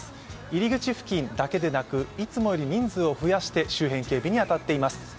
入り口付近だけでなく、いつもより人数を増やして周辺警備に当たっています。